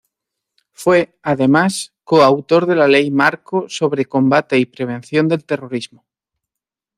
Fue, además, coautor de la Ley Marco sobre Combate y Prevención del Terrorismo.